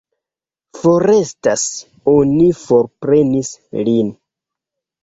Forestas, oni forprenis lin.